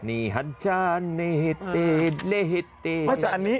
นี่ฮัตชาเนเฮตติเลเฮตติ